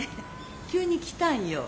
急に来たんよ。